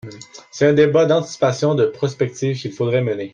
C’est un débat d’anticipation, de prospective qu’il faudrait mener.